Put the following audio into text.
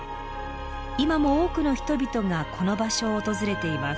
今も多くの人々がこの場所を訪れています。